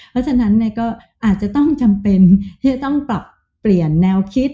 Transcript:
เพราะฉะนั้นก็อาจจะต้องจำเป็นที่จะต้องปรับเปลี่ยนแนวคิด